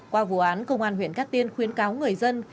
qua vụ án công an huyện cát tiên khuyến cáo người dân